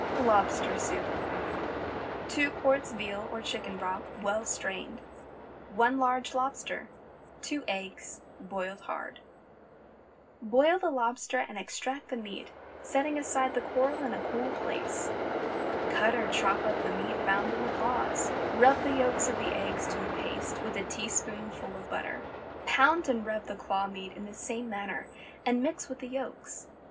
LOBSTER SOUP. 2 qts. veal or chicken broth, well strained. 1 large lobster. 2 eggs—boiled hard. Boil the lobster and extract the meat, setting aside the coral in a cool place. Cut or chop up the meat found in the claws. Rub the yolks of the eggs to a paste with a teaspoonful of butter. Pound and rub the claw meat in the same manner, and mix with the yolks.